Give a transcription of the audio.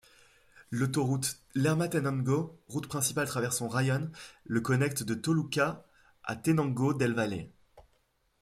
L'Autoroute Lerma-Tenango, route principale traversant Rayón, le connecte de Toluca à Tenango del Valle.